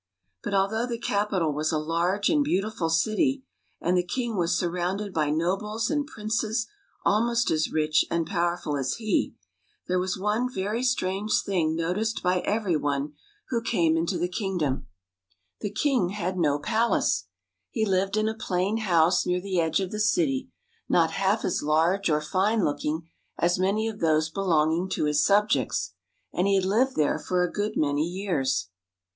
But although the capital was a large and beau tiful city, and the king was surrounded by nobles and princes almost as rich and powerful as he, there was one very strange thing noticed by every one who came 77 THE PALACE MADE BY MUSIC into the kingdom : the king had no palace. He lived in a plain house near the edge of the city, not half as large or fine looking as many of those belonging to his subjects. And he had lived there for a good many years.